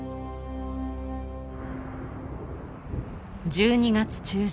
１２月中旬。